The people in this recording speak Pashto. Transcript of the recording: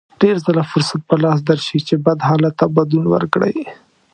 ډېر ځله فرصت په لاس درشي چې بد حالت ته بدلون ورکړئ.